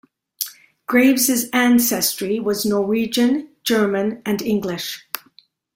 Graves' ancestry was Norwegian, German, and English.